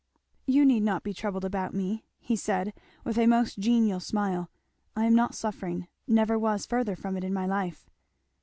"You need not be troubled about me," he said with a most genial smile; "I am not suffering never was further from it in my life."